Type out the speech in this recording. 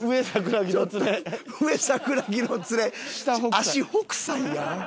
足北斎やん。